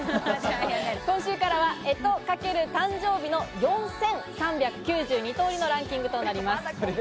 今週からは干支×誕生日の４３９２通りのランキングとなります。